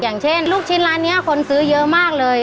อย่างเช่นลูกชิ้นร้านนี้คนซื้อเยอะมากเลย